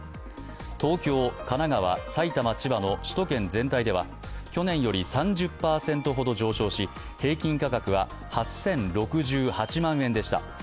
東京、神奈川、埼玉、千葉の首都圏全体では去年より３０％ほど上昇し平均価格は８０６８万円でした。